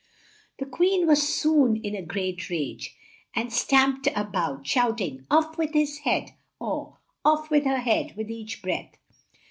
The Queen was soon in a great rage, and stamped a bout, shout ing "Off with his head!" or "Off with her head!" with each breath.